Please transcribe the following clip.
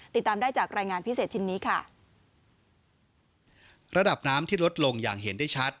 ติดตามได้จากรายงานพิเศษชิ้นนี้ค่ะระดับน้ำที่ลดลงอย่างเห็นได้ชัด